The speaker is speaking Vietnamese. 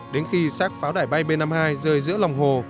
đến khi sát pháo đải bay b năm mươi hai rơi giữa lòng hồ